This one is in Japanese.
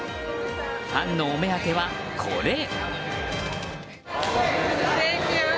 ファンのお目当ては、これ。